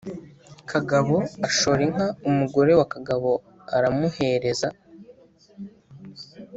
Kagabo ashora inka Umugore wa Kagabo aramuhereza